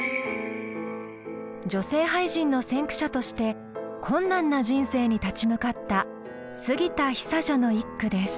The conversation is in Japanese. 女性俳人の先駆者として困難な人生に立ち向かった杉田久女の一句です。